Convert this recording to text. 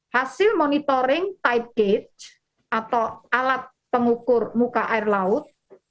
hasil monitoring tight gate atau alat pengukur muka air laut